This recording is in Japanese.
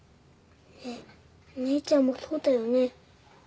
ねっお姉ちゃんもそうだよね。